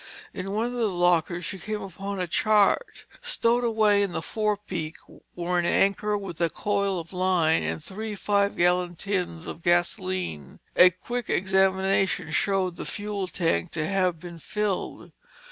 In one of the lockers she came upon a chart. Stowed up in the forepeak were an anchor with a coil of line and three five gallon tins of gasoline. A quick examination showed the fuel tank to have been filled.